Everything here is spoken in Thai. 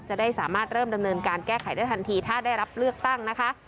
จะได้สามารถเริ่มดำเนินการแก้ไขได้ทันทีถ้าได้รับเลือกตั้งนะคะ